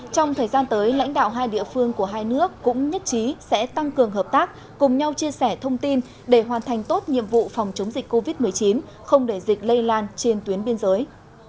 trong thời gian tới lãnh đạo hai địa phương của hai nước cũng nhất trí sẽ tăng cường hợp tác cùng nhau chia sẻ thông tin để hoàn thành tốt nhiệm vụ phòng chống dịch covid một mươi chín không để dịch lây lan trên tuyến biên giới